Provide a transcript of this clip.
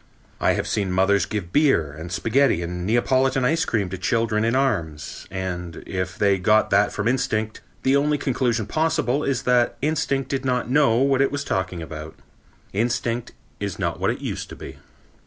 I have seen mothers give beer and spaghetti and Neapolitan ice cream to children in arms, and, if they got that from instinct, the only conclusion possible is that instinct did not know what it was talking about. Instinct is not what it used to be.